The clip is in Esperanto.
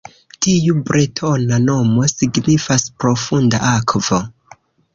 Tiu bretona nomo signifas "profunda akvo".